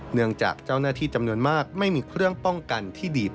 เนื่องจากเจ้าหน้าที่จำนวนมากไม่มีเครื่องป้องกันที่ดีพอ